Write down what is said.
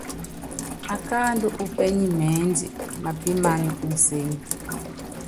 Akáándɔ u pɛ́nimɛ́nd mapiman museny.